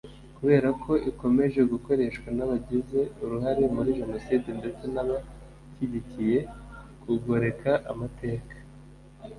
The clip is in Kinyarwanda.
kubera ko ikomeje gukoreshwa n’abagize uruhare muri Jenoside ndetse n’ ababashyigikiye kugoreka amateka